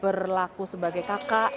berlaku sebagai kakak